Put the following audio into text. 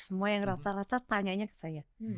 semua yang rata rata tanyanya ke saya